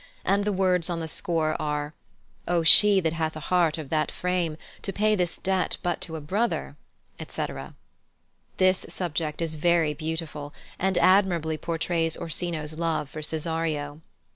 and the words on the score are, "O, she that hath a heart of that frame, To pay this debt but to a brother," etc. This subject is very beautiful, and admirably portrays Orsino's love for Cesario.